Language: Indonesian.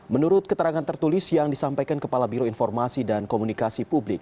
menurut keterangan tertulis yang disampaikan kepala biro informasi dan komunikasi publik